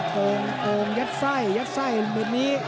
โฃโฃยัดไส้ยัดไส้เหมือนนี้